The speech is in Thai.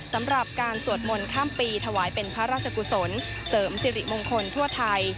สำหรับการสวดมนต์ข้ามปีถวายเป็นพระราชกุศลเสริมสิริมงคลทั่วไทย